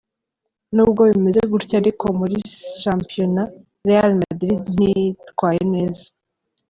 N'ubwo bimeze gutyo ariko, muri shampiyona, Real Madrid ntiyitwaye neza.